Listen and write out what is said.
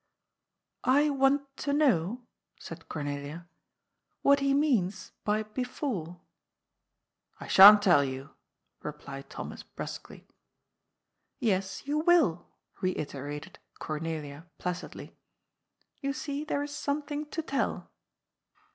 '^ I want to know," said Cornelia, ^^ what he means by * before.' "" I sha'n't tell you," replied Thomas brusquely. " Yes, you will," reiterated Cornelia placidly. You see there is something to tell."